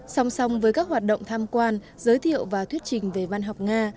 song song với các hoạt động tham quan giới thiệu và thuyết trình về văn học nga